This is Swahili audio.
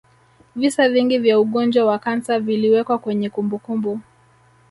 visa vingi vya ugonjwa wa kansa viliwekwa kwenye kumbukumbu